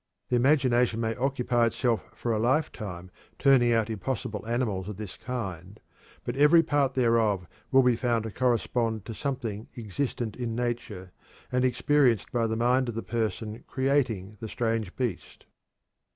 The imagination may occupy itself for a lifetime turning out impossible animals of this kind, but every part thereof will be found to correspond to something existent in nature, and experienced by the mind of the person creating the strange beast.